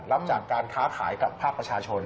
รับจากการค้าขายกับภาคประชาชน